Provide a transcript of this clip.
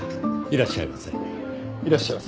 いらっしゃいませ。